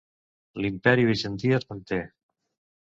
L’Imperi Bizantí es manté.